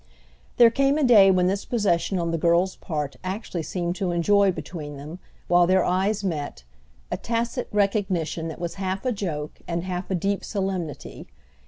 There came a day when this possession on the girl's part actually seemed to enjoy between them, while their eyes met, a tacit recognition that was half a joke and half a deep solemnity.